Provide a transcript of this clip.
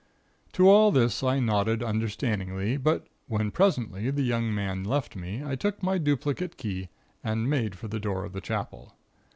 "To all this I nodded understandingly; but when, presently, the young man left me I took my duplicate key and made for the door of the Chapel.